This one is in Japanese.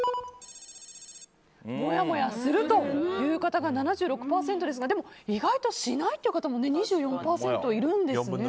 もやもやするという方が７６％ですがでも、意外としないという方も２４％いるんですね。